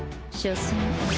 しょせん